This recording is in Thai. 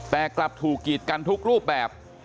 แต่กลับถูกกีดกันทุกรูปแบบ